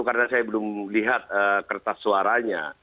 karena saya belum lihat kertas suaranya